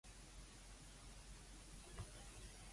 呢邊啊，唔好郁啊